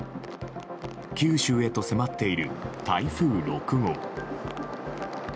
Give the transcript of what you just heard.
九州へと迫っている台風６号。